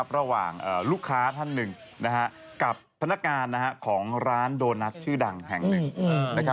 ระหว่างลูกค้าท่านหนึ่งกับพนักงานของร้านโดนัทชื่อดังแห่งหนึ่ง